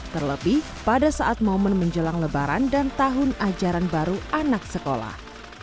terlebih pada saat momen menjelang lebaran dan tahun ajaran baru anak sekolah